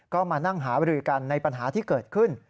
ก็มานั่งหาบรือกันในปัญหาที่เกิดขึ้น